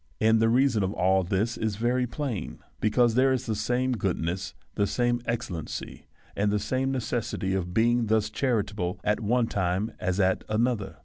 And the reason of all this is very plain, because there is the same goodness, the same excellency, and the same necessity of being thus charitable at one time as at another.